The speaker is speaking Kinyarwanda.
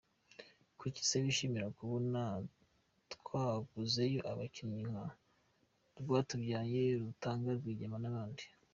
Kuki se bishimira kubona twaguzeyo abakinnyi nka Rwatubyaye, Rutanga, Rwigema n’abandi?”.